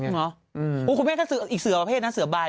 อูววคุณกุโม้ยก็คืออีกเสือประเภทน่ะเสือใบ